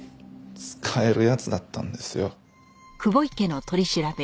使える奴だったんですよ。